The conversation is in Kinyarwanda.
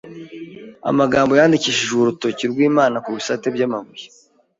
Amagambo yandikishijwe urutoki rw’Imana ku bisate by’amabuye